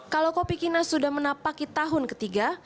kalau kopi kina sudah menapaki tahun ketiga